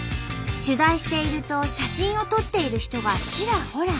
取材していると写真を撮っている人がちらほら。